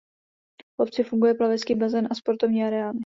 V obci funguje plavecký bazén a sportovní areály.